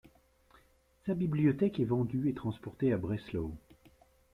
Sa bibliothèque est vendue et transportée à Breslau.